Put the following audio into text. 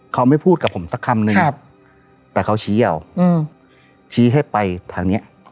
เขาไม่พูดกับผมสักคำหนึ่งแต่เขาชี้เอาชี้ให้ไปทางนี้